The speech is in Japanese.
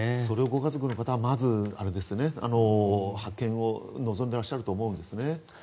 ご家族の方はまず発見を望んでいらっしゃると思うんですね。